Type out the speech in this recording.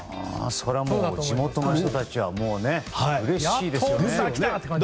地元の人たちはうれしいですよね。